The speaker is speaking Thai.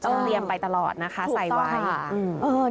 ต้องเตรียมไปตลอดนะคะใส่ไว้ถูกต้องค่ะ